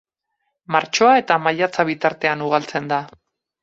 Martxoa eta maiatza bitartean ugaltzen da.